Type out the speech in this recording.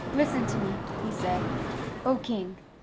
"Listen to me," he said, "O king!